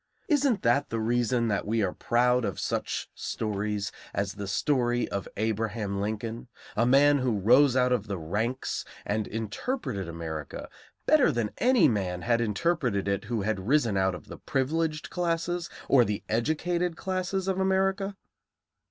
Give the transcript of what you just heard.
Isn't that the reason that we are proud of such stories as the story of Abraham Lincoln, a man who rose out of the ranks and interpreted America better than any man had interpreted it who had risen out of the privileged classes or the educated classes of America?